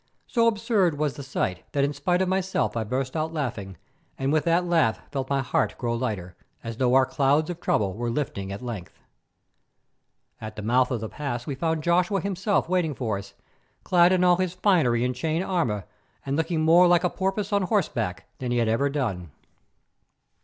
So absurd was the sight that in spite of myself I burst out laughing, and with that laugh felt my heart grow lighter, as though our clouds of trouble were lifting at length. At the mouth of the pass we found Joshua himself waiting for us, clad in all his finery and chain armour, and looking more like a porpoise on horseback than he had ever done.